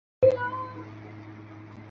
传统上以新会话为代表。